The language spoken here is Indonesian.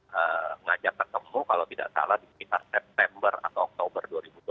mengajak ketemu kalau tidak salah di sekitar september atau oktober dua ribu dua puluh